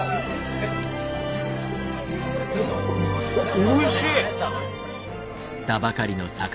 おいしい！